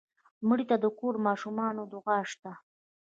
مړه ته د کور د ماشومانو دعا شته